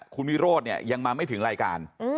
คุณวิโรธเนี่ยยังมาไม่ถึงรายการ